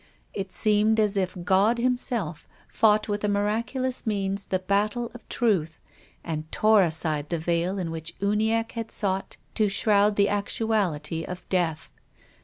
It seemed as if God himself fought with a miracu lous means the battle of truth and tore aside the veil in which Uniacke had sought to shroud the actuality of death.